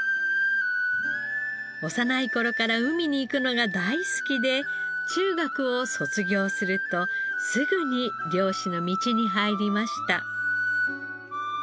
幼い頃から海に行くのが大好きで中学を卒業するとすぐに漁師の道に入りました。